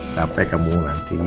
sampai kamu nanti